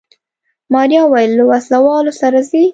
ماريا وويل له وسله والو سره ځي.